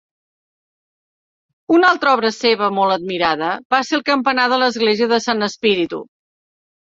Una altra obra seva molt admirada va ser el campanar de l'església de Sant Spirito.